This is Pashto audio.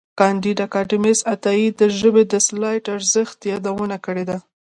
کانديد اکاډميسن عطايي د ژبې د سلاست ارزښت یادونه کړې ده.